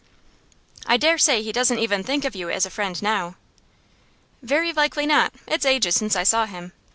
'I dare say he doesn't even think of you as a friend now.' 'Very likely not. It's ages since I saw him.